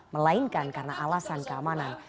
melainkan karena alasan keamanan